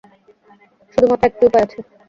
শুধুমাত্র একটি উপায় আছে।